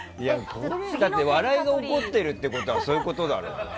だって、笑いが起こっているということはそういうことだろ？